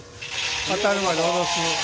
当たるまで下ろす。